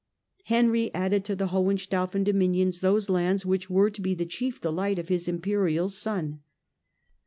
Henry added to the Hohenstaufen dominions those lands which were to be the chief delight of his Imperial son.